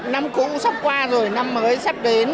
năm cũng sắp qua rồi năm mới sắp đến